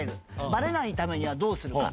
ばれないためにはどうするか。